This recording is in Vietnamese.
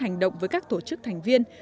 hành động với các tổ chức thành viên